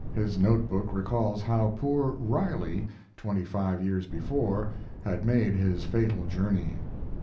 His note book recalls how poor Riley twenty five years before had made his fatal journey.